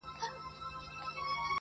دا د شملو دا د بګړیو وطن-